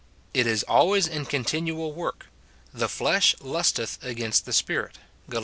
5. It is always in continual work ;" the flesh lusteth against the Spirit," Gal.